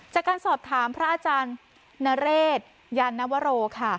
จากการสอบถามพระอาจารย์นเรศยานวโรค่ะ